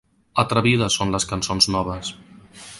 Atrevides són les cançons noves.